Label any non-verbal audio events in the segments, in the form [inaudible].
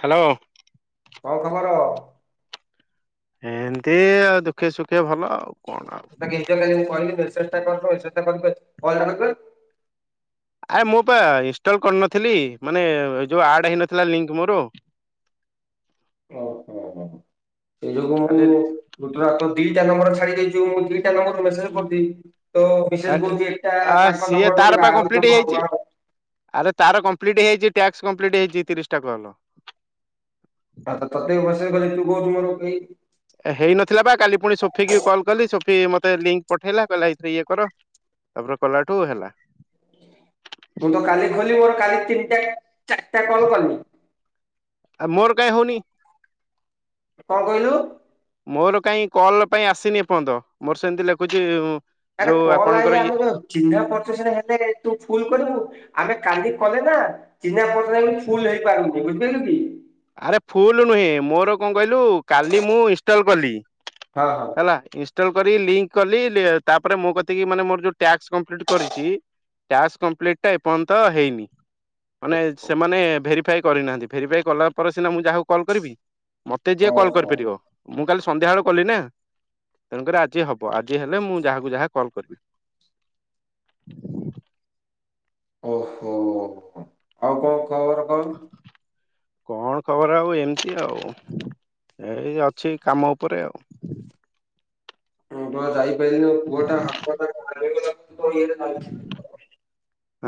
Hello. କଣ ଖବର? ଏମତି ଆଉ ଦୁଃଖେ ସୁଖେ ଭଲ ଆଉ। କଣ ଆଉ ନିଜର ହେଇକି କହିଲି ମେସେଜଟା କର ମେସେଜଟା କରିପାରିଲୁନି କଲ୍ ଟା କରିପାରିଲୁନି। ଆରେ ମୁଁ ପା ଇନଷ୍ଟଲ କରିନଥିଲି ମାନେ ଏ ଯୋଉ ଆଡ ହେଇନଥିଲା ଲିଙ୍କ ମୋର। ଓ ହୋ। ସେଇ ଯୋଗୁ କାଲି ମୁଁ ଗୋ ଦିଟା ନମ୍ବର ଛାଡି ଦେଇଛି ମୁଁ ଦିଟା ନମ୍ବର ମେସେଜ କରି ତ ବିଶେଷ କହୁଛି ଏଟା ଆ ତାଙ୍କ ସିଏ ନମ୍ବର ତାର ପା ନୁହଁ ଆଉ କମ୍ପ୍ଲିଟ ଜଣଙ୍କ ନମ୍ବର। ହେଇ ଟାକ୍ସ କଂପ୍ଲେଟ ହେଇଯାଇଛି ତିରିଶ ଟା କଲ। ହଁ ତ ତତେ ମେସଜ କଲି ତୁ କହୁଚୁ ମୋର ହେଇନଥିଲା ବା କାଲି ପୁଣି ସୋଫି କି କଲ୍ କଲି ସୋଫି ମତେ ଲିଙ୍କ୍ ପଠେଇଲା କହିଲା ଏଇଥିରେ ଇଏ କର। ତାପରେ କଲାଠୁ ହେଲା। ମୁଁ ତ କାଲି ଖୋଲି ମୋର କାଲି ତିନଟା ଚାରିଟା କଲ କଲିି। ଆ ମୋର କାଇଁ ହଉନି। କଣ କହିଲୁ? ମୋର କାହିଁ କଲ ପାଇଁ ଆସିନି ଏ ପର୍ଯ୍ୟନ୍ତ ମୋର ସେମିତି ଲେଖୁଛି ଆରେ ଯୋଉ କଲ ଆପଣଙ୍କର ଆଇ ଇଏ ଆମେର ଚିହ୍ନ ପଛୁ ସେ ହେଲେ ତୁ ଫୋନ୍ କରିବୁ ଆମେ କାଲି କଲେ ନା। ଚିନ୍ନା ପରିଚ ହେଲେ ଫୁଲ ହେଇପାରୁନି ବୁଝିପାରିଲେ କି। ଆରେ ଫୁଲ ନୁହେଁ ମୋର କଣ କହିଲୁ କାଲି ମୁଁ ଇନଷ୍ଟଲ କଲି। ହଁ ହଁ ହେଲା। ଇନ୍ଭର୍ଟର କରିଛି ଲିଙ୍କ୍ କଲି ତାପରେ ମୁଁ କତିକି ମାନେ ମୋର ଯୋଉ ଟାକ୍ସ କମ୍ପିଲିଟ୍ କରିଛି। ଟାସ୍କ କମ୍ପ୍ଲିଟ ଟା ଏପର୍ଯ୍ୟନ୍ତ ହେଇନି। ମାନେ ସେମାନେ ଭେରିଫାଏ କରିନାହାନ୍ତି ଭେରିଫାଏ କଲା ପରେ ସିନା ମୁଁ ଯାହାକୁ କଲ୍ କରିବି। ମତେ ଯିଏ କଲ୍ ଓହୋ। କରିପାରିବ ମୁଁ ଖାଲି ସନ୍ଧ୍ୟା ବଳ କଲି ନା ତେଣୁକରି ଆଜି ହବ ଆଜି ହେଲେ ମୁଁ ଯାହାକୁ ଯାହା କଲ କରିବି। ଓହୋ ଆଉ କଣ ଖବର କଣ? କଣ ଖବର ଆଉ ଏମିତି ଆଉ। ଏଇ ଅଛି କାମ ଉପରେ ଆଉ। ହଁ ତ ଯାଇପାରିଲିନୁ ପୁଅଟା ହାତ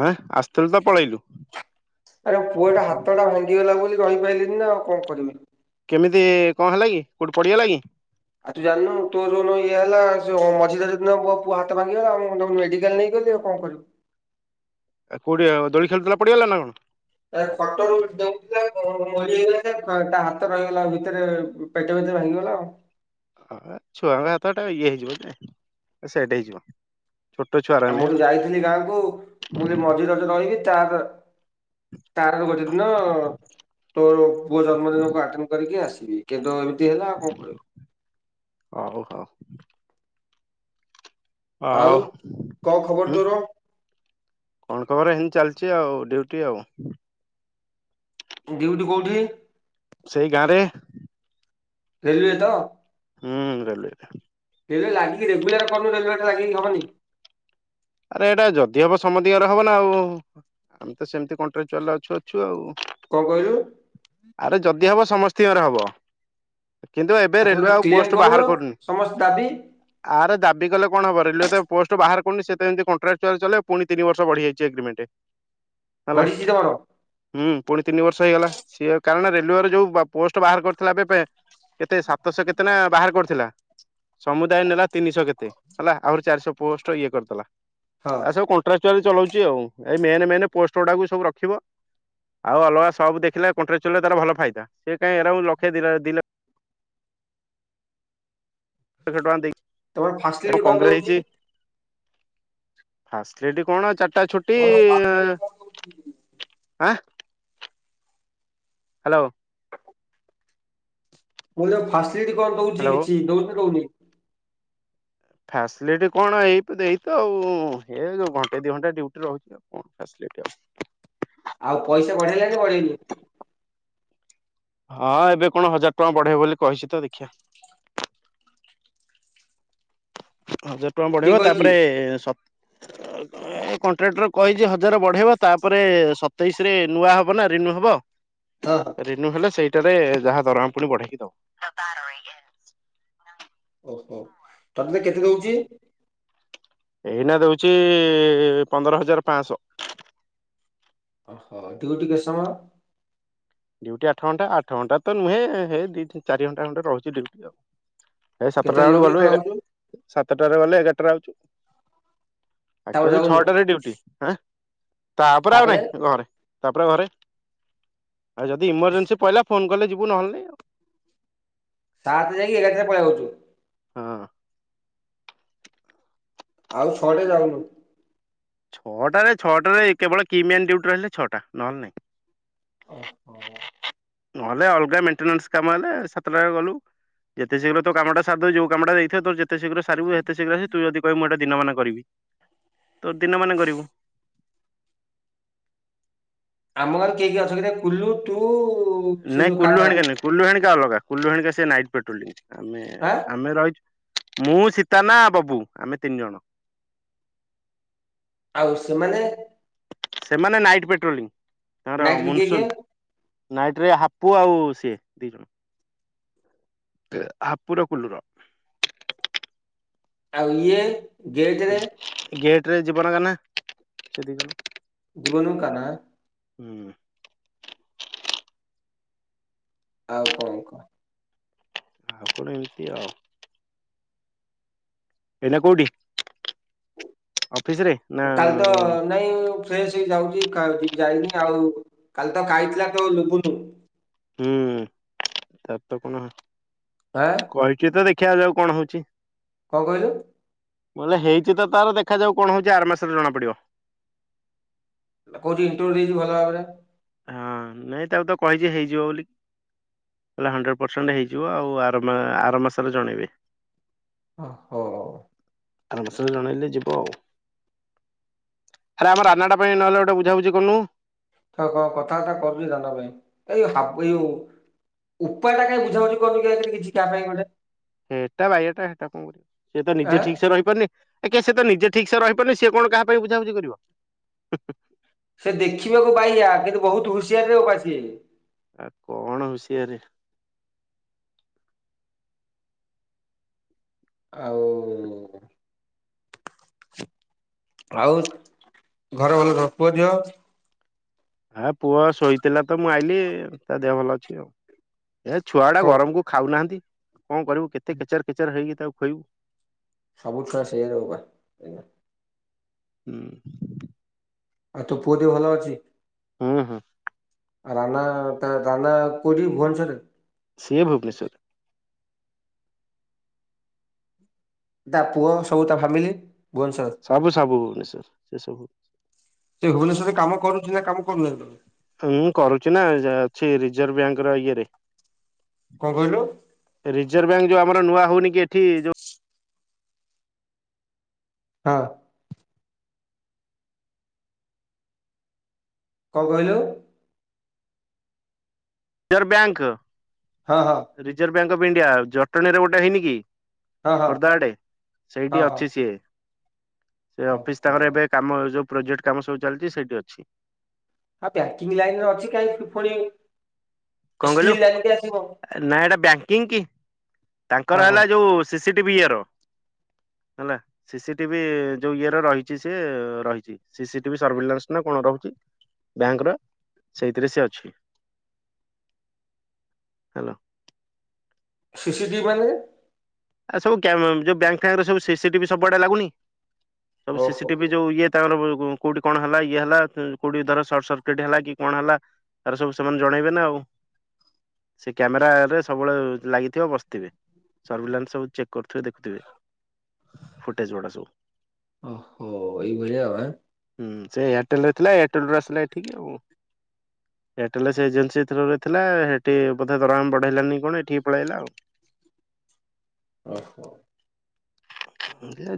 ଆଁ ଆ ଆରେ ପୁଅ ଟା ହାତ ଟା ଭାଙ୍ଗିଗଲା ବୋଲି ରହିପାରିଲିନି ନା ଆଉ କଣ କରିବି? କେମିତି କଣ ହେଲା କି କୋଉଠି ପଡିଗଲା କି? ଆଉ ତୁ ଜାଣିନୁ ତୋ ଯୋଉ ଇଏ ହେଲା ମଝିଦୁ ହାତ ଭାଙ୍ଗିଗଲା ମେଡିକାଲ ନେଇକି ଗଲି। କଣ କରିବି? କୋଉଠି ଦୋଳି ଖେଳୁଥିଲା ପଡିଗଲା ନା କଣ? ଖଟରୁ ଡେଉଁଥିଲା ମୋଡିହେଇଗଲା ଯେ ତା ହାତ ରହିଗଲା ଭିତରେ ପେଟ ଭିତରେ ଭାଙ୍ଗିଗଲା ଆଉ। ହ ଛୁଆଙ୍କ ହାତ ଟା ଇଏ ହେଇଯିବ ନା ସେଟ ହେଇଯିବ। ଛୋଟ ଛୁଆର ଆଉ ମୁଁ ନାଇଁ ଟିକେ ଯାଇଥିଲି ଗାଁକୁ ମୁଁ ଯ ମଝିରେ ରଜ ରହିବି ତା ତାର ଗୋଟେ ଦିନ ତୋ ପୁଅ ଜନ୍ମଦିନକୁ ଆଟେଣ୍ଡ କରିକି ଆସିବି, କିନ୍ତୁ ଏବ ହଉ ହଉ। ଆଉ କଣ ଖବର ହଁ ତୋର କଣ ଖବର ହେ ଚାଲିଛି ଆଉ ଡିଉଟି ଆଉ। ଡିଉଟିି କୋଉଠି? ସେଇ ଗାଁ ରେ। ଫେରିବେ ତ? ହଁ ରେଲେ୍ୱୟରେ। ରେଲୱେ ଲାଗିକି ରେଗୁଲାର କରନୁ ରେଲୱେ ଟା ଲାଗିକି ହବନି? ଆରେ ଏଇଟା ଯଦି ହବ ସମ ଦିଗର ହବ ନା ଆଉ ଆମେ ତ ସେମିତି କନଟ୍ରାଚୁଆଲରେ ଅଛୁ ଅଛୁ ଆଉ। କଣ କହିଲୁ? ଆରେ ଯଦି ହବ ସମସ୍ତଙ୍କର ହବ। କିନ୍ତୁ ଏବେ ଆଠ ରେଲୱେ ହଜାର ଆଉ କ୍ଲେମ ପୋଷ୍ଟ କରୁନ ବାହାର କରୁନି, ସମସ୍ତ ଦାବି ଆର ଦାବି କଲେ କଣ ହବ ରେଲୱେ ତ ପୋଷ୍ଟ ବାହାର କରୁନି ସେ ଯେମିତି କନଟ୍ରାଚୁଆଲ ଚାଲେ ପୁଣି ତିନ ବର୍ଷ ବଢିଯାଇଛି ଏଗ୍ରିମେଣ୍ଟ। ହେଲା ବଢ଼ିଛି ତମର? ହୁଁ ପୁଣି ତିନି ବର୍ଷ ହେଇଗଲା ସିଏ କାରଣ ରେଲୱେରେ ଯୋଉ ପୋଷ୍ଟ ବାହାର କରିଥିଲା ଏବେ ବେ କେତେ ସାତଶହ କେତେ ନା ବାହାର କରିଥିଲା ସମୁଦାୟ ନେଲା ତିନିଶହ କେତେ ହେଲା ଆହୁରି ଚାରିଶହ ପୋଷ୍ଟ ଇଏ କରିଦେଲା। ହଁ ଆଉ ସବୁ କଣ୍ଟ୍ରାକଚୁଆଲ ଚଲଉଛି ଆଉ, ଏଇ ମେନ ମେନ ପୋଷ୍ଟ ଗୁଡାକୁ ସବୁ ରଖିବ। ଆଉ ଅଲଗା ସବୁ ଦେଖିଲା କଣ୍ଟ୍ରାଚୁଆଲରେ ତାର ଭଲ ଫାଇଦା ସେ କାହିଁ ଏରା ଲକ୍ଷେ ଦି ଲ ଲକ୍ଷ୍ୟ ଟଙ୍କା ଦେଇିକି ତମର ଫାସିଲିଟି କଣ ଦଉଛି? ଫାସଲିଟି କଣ ଚା ଟା ଛୁଟି ତମର ଫାସିଲିଟି କଣ ଦଉଛି ମୁଁ ଆଁ ହ୍ୟାଲୋ। ମୁଁ କହିଲି ଫାସିଲିଟି କଣ ଦଉଛି, ହ୍ୟାଲୋ କିଛି ଦଉଚି ନା ଦଉନି? ଫାସିଲିଟି କଣ ଏଇ ଦେଇ ତ ଆଉ ଏ ଯୋଉ ଘଣ୍ଟେ ଦି ଘଣ୍ଟା ଡ୍ୟୁଟି ରହୁଛି ଆଉ କଣ ଫସି ଟି ଆଉ। ଆଉ ପଇସା ବଢେଇଲା ନା ବଢେଇନି? ହଁ ଏବେ କଣ ହଜାର ଟଙ୍କା ବଢେଇ ବୋଲି କହିଛି ତ ଦେଖିବା। ହଜାର ଟଙ୍କା କିଏ ବଢ଼େଇବ କହିଛି ତାପରେ ସ [inaudible] କଣ୍ଟ୍ରାକ୍ଟର କହିଛି ହଜାର ବଢେଇବ ତାପରେ ସତେଇଶରେ ନୂଆ ହବ ନା ରିନୁ ହବ। ହଁ ହଁ ରିନୁ ହେଲେ ସେଇଟାରେ ଯାହା ଦରମା ପୁଣି ବଢେଇକି ଦବ। ଓହୋ ତମେ କେତେ ଦଉଛି? ଏଇନା ଦଉଛି ପନ୍ଦର ହଜାର ପାଞ୍ଚଶହ। ଓହୋ ଡିଉଟି କେତେ ସମୟ? ଡିଉଟି ଆଠ ଘଣ୍ଟା ଆଠ ଘଣ୍ଟା ତ ନୁହେଁ ହେ ଦି ଚାରି ଘଣ୍ଟା ଘଣ୍ଟେ ଖଣ୍ଡେ ରହୁଛି ଡୁଟିର। ଏଇ ସାତଟା କେତେବେଳେ ବେଳୁ ଯାଉଛୁ ଗଲୁ କେତେବେଳେ ଏଗା ଆଉଛୁ ସାତଟାରେ ଗଲେ ଏଗାରଟାରେ ଆଉଚୁ, ତାପରେ ଆକଚୁଆଲି ଯାଉନୁ ଛଅଟାରେ ଡିଉଟି। ତାପରେ ଆଉ ନାଇଁ ଘରେ ତାପରେ ଘରେ ଆଉ ଯଦି ଇମରଜେନ୍ସି ପଇଲା ଫୋନ କଲେ ଯିବୁ ନହେଲେ ନାଇ ଆଉ। ସାତରେ ଯାଇକି ଏଗାରଟାରେ ପଲେଇ ଆଉଛୁ? ହଁ। ଆଉ ଛଅଟାରେ ଯାଉନୁ? ଛଅଟାରେ ଛଅଟାରେ କେବଳ କିମେନ୍ ଡିଉଟି ରହିଲେ ଛଅଟା ନହେଲେ ନାଇଁ। ଓ ହୋ। ନହେଲେ ଅଲଗା ମେଣ୍ଟେନାନ୍ସ କାମ ହେଲେ ସାତଟାରେ ଗଲୁ ଯେତେ ଶୀଘ୍ର ତୋ କାମଟା ସାରିଦବୁ ଯୋଉ କାମଟା ଦେଇଥିବେ ତୋର ଯେତେ ଶୀଘ୍ର ସାରିବୁ ହେତେ ଶୀଘ୍ର ଆସିବୁ ତୁ ଯଦି କହିବୁ ମୁଁ ଏଇଟା ଦିନମାନ କରିବି। ତୋର ଦିନମାନ କରିବୁ। ଆମ ଗାଁରୁ କିଏ କିଏ ଅଛ କିରେ କୁଲୁ ତୁ ସେ ନାଇଁ ଯୋଉ କୁଲୁ କାହ୍ନା ହେଣିକା ନଁ କୁଲୁ ହେଣିକି ଅଲଗା କୁଲୁ ହେରୀକା ସେ ନାଇଟ୍ ପେଟ୍ରୋଲିଂ ଆମେ ଆଁ ଆମେ ରହିଛୁ ମୁଁ ସୀତାନା ବବୁ ଆମେ ତିନି ଜଣ। ଆଉ ସେମାନେ? ସେମାନେ ନାଇଟ୍ ପେଟ୍ରୋଲିଂ ତାଙ୍କର ନାଇଟ୍ ରେ କିଏ କିଏ ମୁନସୁନ। ନାଇଟ ରେ ହାପୁ ଆଉ ସିଏ ଦି ଜଣ। ହାପୁର କୁଲୁର। ଆଉ ଇଏ? ଗେଟ୍ ରେ ଗେଟ ରେ ଯିବନ କାହ୍ନା ସେ କ ଜୀବନକୁ କାହ୍ନା। ହୁଁ। ଆଉ କଣ କହ? ଆଉ କଣ ଏମିତି ଆଉ। ଏନା କଉଠି? କାଲି ତ ନାଇଁ ଫ୍ରେଶ ହେଇ ଯାଉଛି କା ଯି ଯାଇନି ଆଉ କାଲି ତ ଆଇଥିଲା ତ ଲୁବୁନୁ। ହୁଁ ତାର ତ କଣ ଆଁ କହିଛି ତ ଦେଖ ଦେଖିଆ ଯାଉ କଣ ହଉଛି। କଣ କହିଲୁ? ମୁଁ କହିଲି ହେଇଛି ତ ତାର ଦେଖାଯାଉ କଣ ହଉଛି ଆର ମାସରେ ଜଣା ପଡିବ। କହୁଚି ଇଣ୍ଟରଭିୟୁ ଦେଇଚି ଭଲ ଭାବରେ। ହଁ ନାଇଁ ତାକୁ ତ କହିଛି ହେଇଯିବ ବୋଲି। କହିଲା ହଣ୍ଡ୍ରେଡ଼୍ ପରସେଣ୍ଟ ହେଇଯିବ ଆଉ ଆର ମା ଆର ମାସରେ ଜଣେଇବେ। ଓ ହୋ। ଆର ମାସ ରେ ଜଣେଇଲେ ଯିବ ଆଉ। ଆରେ ଆମର ରାନାଟା ପାଇଁ ନହେଲେ ଗୋଟେ ବୁଝାବୁଝି କରନୁ। ଏଥରକ କଣ କଥାବାର୍ତ୍ତା କରିବି ରାନା ପାଇଁ ଏଇ ହାପୁ ଏଇ ଉ ଉପା ଟା କାହିଁ ବୁଝାବୁଝି କରୁନି କି କିଛି କା ପାଇଁ ଗୋଟେ। ହେଟା ବାୟାଟା ହେଟା କଣ କରିବ ସେ ତ ଆଁ ନିଜେ ଠିକ ସେ ରହିପାରୁନି। ଏଖା ସେ ତ ନିଜେ ଠିକ ସେ ରହିପାରୁନି ସିଏ କଣ କାହା ପାଇଁ ବୁଝାବୁଝି କରିବ। ସେ ଦେଖିବାକୁ ବାୟା କିନ୍ତୁ ବହୁତ ହୁସିଆର ରେ ବୋପା ସିଏ। ଆ କଣ ହୁସିଆରେ। ଆଉ ଆଉ ଘର ଭଲ ସବୁ ପୁଅ ଝିଅ? ହଁ ପୁଅ ଶୋଇଥିଲା ତ ମୁଁ ଆଇଲିି ତା ଦେହ ଭଲ ଅଛି ଆଉ। ଏ ଛୁଆ ଟା କଣ ଗରମ କୁ ଖାଉନାହାନ୍ତି କଣ କରିବୁ କେତେ କେଚେର କେଚେର ହେଇକି ତାକୁ ଖୁଏଇବୁ। ସବୁ ଛୁଆ ସେୟାରେ ବୋପା। ହୁଁ। ଆଉ ତୋ ପୁଅ ଦେହ ଭଲ ଅଛି? ହୁଁ ହୁଁ। ରାନା ତା ରାନା କଉଠି ଭୁବନେଶ୍ୱରରେ? ସିଏ ଭୁବନେଶ୍ୱରରେ। ତା ପୁଅ ସବୁ ତା ଫ୍ୟାମିଲି। ଭୁବନେଶ୍ୱର। ସବୁ ସବୁ ଭୁବନେଶ୍ୱର ସେ ସବୁ। ସେ ଭୁବନେଶ୍ୱରେ କାମ କରୁଛି ନା କାମ କରୁନି [unintelligible] ହୁଁ କରୁଛି ନା ଯା ଅଛି ରିଜର୍ଭ ବ୍ୟାଙ୍କର ଇଏରେ। କଁ କହିଲୁ? ରିଜର୍ଭ ବ୍ୟାଙ୍କ ଯୋଉ ଆମର ନୂଆ ହଉନି କି ଏଠି ଯଉ ହଁ। କଁ କହିଲୁ? Reserve bank. ହଁ ହଁ। ରିଜର୍ଭ ବ୍ୟାଙ୍କ ଅଫ୍ ଇଣ୍ଡିଆ ଜଟଣୀରେ ଗୋଟେ ହେଇନି କି। ହଁ ହଁ ଖୋର୍ଦ୍ଧା ଆଡେ, ସେଇଠି ହଁ ହଁ। ଅଛି ସିଏ। ସେ ଅଫିସ ଓହୋ ତାଙ୍କର ଏବେ କାମ ଯୋଉ ପ୍ରୋଜେକ୍ଟ କାମ ସବୁ ଚାଲଚି, ସେଇଠି ଅଛି। ଆଉ ବ୍ୟାଙ୍କିଙ୍ଗ ଲାଇନରେ କାହିଁକି ଫୁଣି କଁ କହିଲୁ ନା ସେଟା ବ୍ୟାଙ୍କିଙ୍କ କି, ଆଉ ତାଙ୍କର କଣ? ହେଲା ଯୋଉ ସି ସି ଟିଭି ଇଏ ର। ହେଲା ସି ସି ଟିଭି ଯୋଉ ଇଏର ରହିଚି ସେ ରହିଚି, ସି ସି ଟିଭି ସର୍ଭିଲାନ୍ସ ନା କଣ ରହୁଚି ବ୍ୟାଙ୍କର ସେଇଥିରେ ସେ ଅଛି। ହ୍ୟାଲୋ। ସି ସି ଟିଭି ମାନେ? ଆଉ ସବୁ କ୍ୟାମ ଯୋଉ ବ୍ୟାଙ୍କ ଫ୍ୟାଙ୍କରେ ସବୁ ସି ସି ଟିଭି ସବୁଆଡେ ଲାଗୁନି। ସବୁ ସି ସି ଓହୋ ଟିଭି ଯୋଉ ଇଏ ତାଙ୍କର ଉଁ କୋଉଠି କଣ ହେଲା ଇଏ ହେଲା, କୋଉଠି ଧର ସର୍ଟ ସର୍କିଟ ହେଲା କି କଣ ହେଲା ତାର ସବୁ ସେମାନେ ଜଣେଇବେ ନା ଆଉ। ସେ କ୍ୟାମେରା ରେ ସବୁବେଳେ ଲାଗିଥିବ ବସିଥିବେ ସର୍ଭିଲାନ୍ସ ସବୁ ଚେକ୍ କରୁଥିବେ ଦେଖୁଥିବେ, ଫୁଟେଜ ଗୁଡା ସବୁ। ଓହୋ। ଏଇ ଭଳିଆ ଆଉ ଆଁ ହୁଁ ସେ ଏୟାରଟେଲ ରେ ଥିଲା ଏୟାରଟେଲ ରୁ ଆସିଲା ଏଠିକି ଆଉ। ହ। ଏୟାରଟେଲ ରେ ସେ ଏଜେନ୍ସି ଥ୍ରୋ ରେ ଥିଲା, ସେଠି ବୋଧେ ଦରମା ବଢେଇଲାନି କି କଣ ଏଠିକି ପଳେଇଲା ଆଉ। ଓହୋ।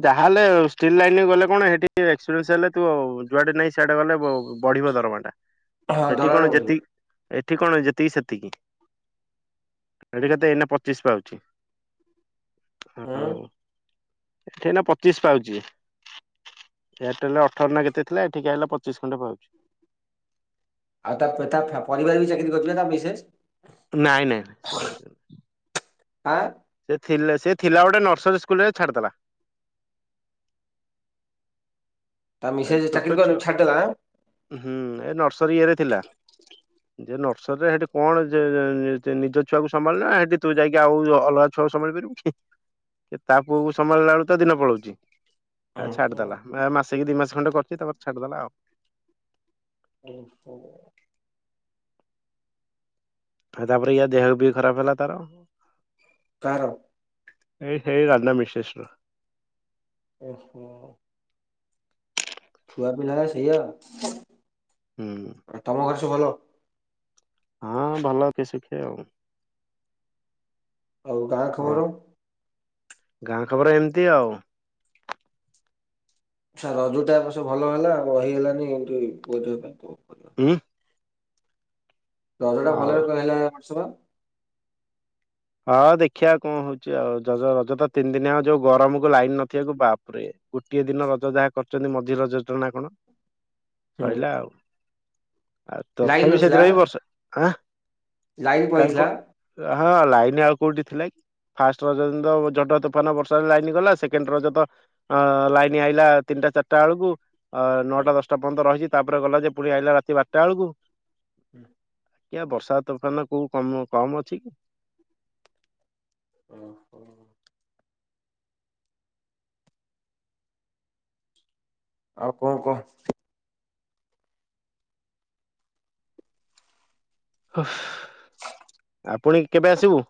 ଯାହାହେଲେ ଷ୍ଟିଲ୍ ଲାଇନ ଗଲେ କଣ ସେଠି ଟିକେ ଏକ୍ସପିରିଏନ୍ସ ହେଲେ ତୁ ଯୁଆଡେ ନାଇ ସିଆଡେ ଗଲେ ବ ବଢ଼ିବ ଦରମାଟା। ହଁ ସେଠି କଣ ଦରମା ବଢ଼ିବ। ଯେତିକି ଏଠି କଣ ଯେତିକି ସେତିକି। ଏଠ କେତେ ଏଇନା ପଚିଶ ପାଉଛି। ହୁଁ ଆଉ ଏଠି ଏନା ପଚିଶ ପାଉଚି। ଏୟାରଟେଲରେ ଅଠର ନା କେତେ ଥିଲା ଏଠିକି ଆଇଲା ପଚିଶ ଖଣ୍ଡେ ପାଉଛି। ଆଉ ତା ତା ପରିବାର ବି ଚାକିରୀ କରିଥିଲେ ତା ମିସେସ। ନାଇଁ ନାଇଁଁ ସେ ଚାକିରୀ କରି ନାହାଁନ୍ତି। ଆଁ ଥିଲେ ସେ ଥିଲା ଗୋଟେ ନର୍ସରୀ ସ୍କୁଲରେ ଛାଡ଼ିଦେଲା। ତା ମିସେସ୍ ଚାକିରୀ କର ଛାଡଦେଲା ଆଁ। ହୁଁ ଏ ନର୍ସରୀ ଇଏରେ ଥିଲା। ଯେ ନର୍ସରୀରେ ସେଠି କଣ ଯେ ନିଜ ଛୁଆକୁ ସମ୍ଭାଳିଲା, ସେଠି ତୁ ଯାଇକି ଆଉ ଅଲଗା ଛୁ ଆକୁ ସବୁ ସମ୍ଭାଳି ପାରିବୁ କି, ତା ପୁଅକୁ ସମ୍ଭାଳିଲା ବେଳୁକ ତ ଦିନ ପଳଉଚି। ଆ ଓହୋ ଛାଡିଦେଲା ମାସେ କି ଦି ମାସ ଖଣ୍ଡେ କରଚି ତାପରେ ଛାଡିଦେଲା ଆଉ। ଓହୋ। ଆଉ ତାପରେ ଇଆ ଦେହକୁ ବି ଖରାପ ହେଲା ତାର। କାହାର? ଏଇ ହେଇ ରାଧା ମିଶେଶର। ଓ ହୋ। ଛୁଆ ପିଲାନା ସେଇଆ ଆଉ। ହୁଁ। ତୁ ଭଲ। ହଁ ଭଲ କି ଶିଖେ ଆଉ। ଆଉ ଗାଁ ହଉ ଖବର? ଗାଁ ଖବର ଏମିତି ଆଉ। ଛ ରଜ ଟା ସେ ଭଲ ହେଲା ରହି ହେଲାନି [unintelligible] ଉଁ। ତରଟା ଭଲରେ କହିଲା ବର୍ଷ। ହଁ ଦେଖିବା କଣ ହଉଛି ଆଉଜ ରଜ ତ ତିନି ଦିନିଆ ଆଉ ଯୋଉ ଗରମକୁ ଲାଇନ ନିବାକୁ ବାପରେ। ଗୋଟିଏ ଦିନ ରଜ ଯାହା କରୁଛନ୍ତି ମଝି ରଜ ନା କଣ? ହୁଁ ସରିଲା ଆଉ ଆଉ ତଥାପି ସେଥିରେ ବି ବର୍ଷା ଆଁ। ଲାଇନ୍ କାହିଁ କୋ ପଲେଇଥିଲା। ହଁ ଲାଇନ ଆଉ କୋଉଠି ଥିଲା କି? ଫାଷ୍ଟ ରଜ ଦିନ ତ ତୋଫାନ ବର୍ଷା ଲାଇନ ଗଲା ସେକେଣ୍ଡ ଲାଇନ୍ ଆଇଲା ତିନି ତିନିଟା ଚାରିଟା ବେଳକୁ ଅ ହୁଁ, ନଅଟା ଦଶଟା ପନ୍ଦର ରହିଛି ତାପରେ ଗଲା ଯେ ପୁଣି ଆଇଲା ରାତି ବାରଟା ବେଳକୁ। ହୁଁ। ଆଜ୍ଞା ବର୍ଷା ତୋଫାନ କୋଉ କମ୍ କମ୍ ଅଛି କି? ଓ ହୋ। ଆଉ କଣ କହ? ଅଫ [unintelligible] [inaudible] ପୁଣି କେବେ ଆସିବୁ?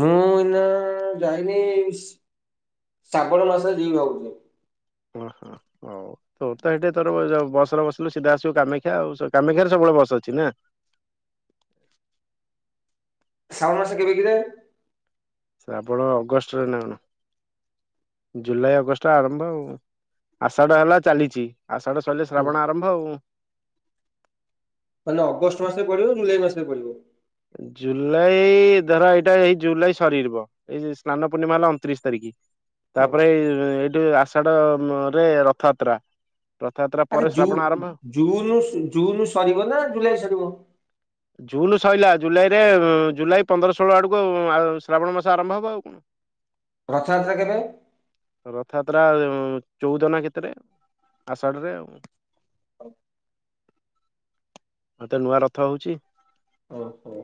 ମୁଁ ଏଇନା ଯାଇନି ସ୍। ଶ୍ରାବଣ ମାସ ଯିବି ଭାବୁଛି। ଓ ହୋ ହଁ। ହଉ ତୋର ତ ସେଠି ତୋର ଯୋଉ ବସରେ ବସିଲୁ ସିଧା ଆସିବୁ କାମାକ୍ଷା ଆଉ କାମାକ୍ଷାରେ ସବୁବେଳେ ବସ ଅଛି ନା। ଶ୍ରାବଣ ମାସ କେବେ କିରେ? ଶ୍ରାବଣ ଅଗଷ୍ଟରେ ନା କଣ? ଜୁଲାଇ ଅଗଷ୍ଟ ଆରମ୍ଭ ଆଉ ଆଷାଢ ହେଲା ଚାଲିଛି। ଆଷାଢ଼ ସରିଲେ ଶ୍ରାବଣ ଆରମ୍ଭ ଆଉ। ମାନେ ଅଗଷ୍ଟ ମାସରେ ପଡିବ ଜୁଲାଇ ମାସରେ ପଡିବ। ଜୁଲାଇ ଧର ଏଇଟା ଏଇ ଜୁଲାଇ ସରିଯିବ ଏଇ ସ୍ନାନ ପୂର୍ଣ୍ଣିମା ହେଲା ଅଣତିରିଶି ତାରିଖ। ତାପରେ ଏଇ ଏଇଠୁ ଆଷାଢ ରେ ରଥଯାତ୍ରା। ରଥଯାତ୍ରା ଆରେ ପରେ ଶ୍ରାବଣ ଆରମ୍ଭ। ଜୁନ ଜୁନ ସରିବ ନା ଜୁଲାଇ ସରିବ। ଜୁନ ସଇଲା ଜୁଲାଇରେ ଜୁଲାଇ ପନ୍ଦର ଷୋହଳ ଆଡକୁ ଶ୍ରାବଣ ମାସ ଆରମ୍ଭ ହବ ଆଉ କଣ। ରଥ ଯାତ୍ରା କେବେ? ଏଟା ଚଉଦ ନା କେତେରେ ଆଷାଢରେ ଆଉ ହଉ। ଏଥର ନୂଆ ରଥ ହଉଛି। ଓ ହୋ।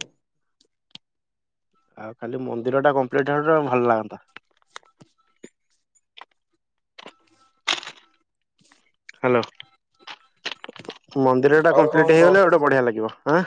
ଆଉ ଖାଲି ମନ୍ଦିର ଟା କମ୍ପ୍ଲିଟ ହେଇଯାଉ ଭଲ ଲାଗନ୍ତା। ହାଲୋ ମନ୍ଦିର ଟା ଆଉ କଣ କମ୍ପ୍ଲିଟ କହ? ହେଇଗଲେ ଗୋଟେ ବଢିଆ ଲାଗିବ। ଆଁ।